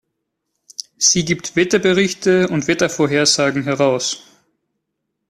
Sie gibt Wetterberichte und Wettervorhersagen heraus.